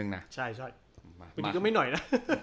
เออเป็นอย่างที่จะไม่หน่อยนะ